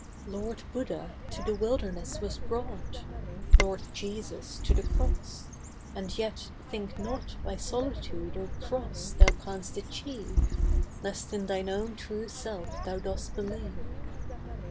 Lord Buddha to the wilderness was brought. Lord Jesus to the Cross. And yet, think not By solitude, or cross, thou canst achieve, Lest in thine own true Self thou dost believe.